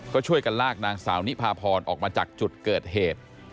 ก็ช่วยกันลากนางสาวนิพาพรออกมาจากจุดเกิดเหตุ